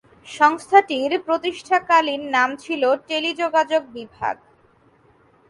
সংস্থাটির প্রতিষ্ঠাকালীন নাম ছিল টেলিযোগাযোগ বিভাগ।